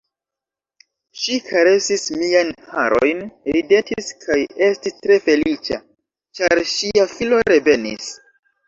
Ŝi karesis miajn harojn, ridetis kaj estis tre feliĉa, ĉar ŝia filo revenis.